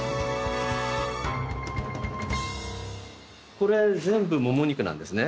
これ全部モモ肉なんですね。